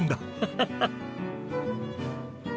ハハハ。